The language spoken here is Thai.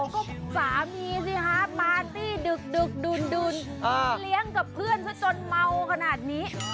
ก็สามีสิฮะปาร์ตี้ดึกดุ่นเลี้ยงกับเพื่อนซะจนเมาขนาดนี้